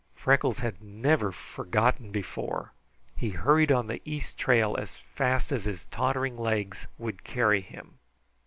Freckles never had forgotten before. He hurried on the east trail as fast as his tottering legs would carry him.